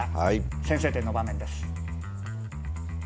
先制点の場面です。